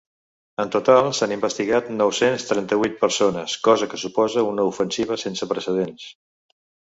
En total s’han investigat nou-cents trenta-vuit persones, cosa que suposa una ofensiva sense precedents.